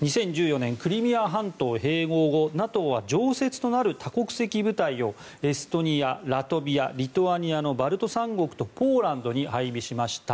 ２０１４年クリミア半島併合後、ＮＡＴＯは常設となる多国籍部隊をエストニア、ラトビアリトアニアのバルト三国とポーランドに配備しました。